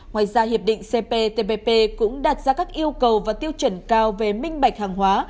ngoài ra hiệp định cptpp cũng đặt ra các yêu cầu và tiêu chuẩn cao về minh bạch hàng hóa